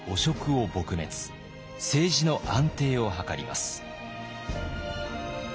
政治の安定を図ります。